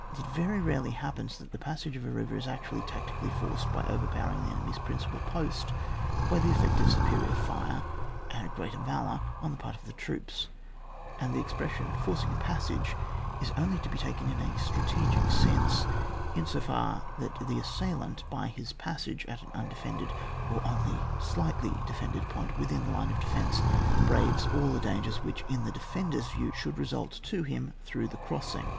It very rarely happens that the passage of a river is actually tactically forced by overpowering the enemy's principal post by the effect of superior fire and greater valour on the part of the troops, and the expression, forcing a , pmfoge is only to be taken in a strategic sense, in so far that the assailant by his passage at an imdefended or only slightly defended point within the line of defence, braves all the dangers which, in the defender's view, should result to him through the crossing.